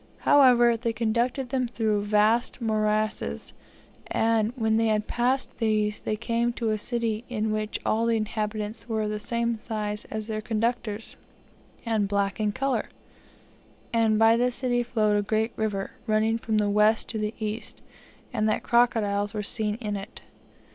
However, they conducted them through vast morasses, and when they had passed these, they came to a city in which all the inhabitants were of the same size as their conductors, and black in colour: and by the city flowed a great river, running from the west to the east, and that crocodiles were seen in it."